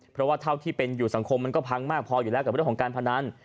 เพราะว่าเท่าที่เป็นอยู่สังคมมันก็พังมากพออยู่แล้วกับเรื่องของการพนัน